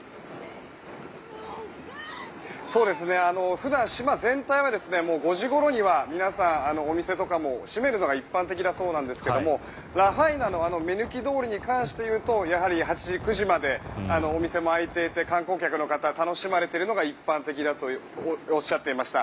普段、島全体はもう５時ごろには皆さん、お店とかも閉めるのが一般的だそうですがラハイナの目抜き通りに関して言うと、８時９時までお店も開いていて観光客の方が楽しまれているのが一般的だとおっしゃっていました。